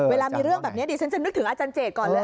เวลามีเรื่องแบบนี้ดิฉันจะนึกถึงอาจารย์เจตก่อนเลย